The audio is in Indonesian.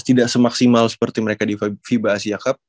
tidak semaksimal seperti mereka di fiba asia cup